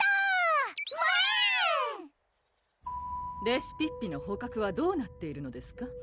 レシピッピの捕獲はどうなっているのですか？